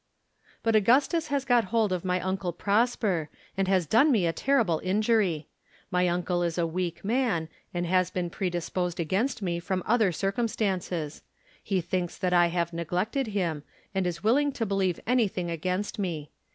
"But Augustus has got hold of my Uncle Prosper, and has done me a terrible injury. My uncle is a weak man, and has been predisposed against me from other circumstances. He thinks that I have neglected him, and is willing to believe anything against me.